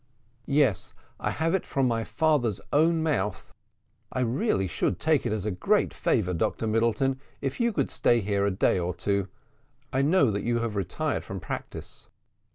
"Yes, I have it from my father's own mouth. I really should take it as a great favour, Dr Middleton, if you could stay here a day or two. I know that you have retired from practice."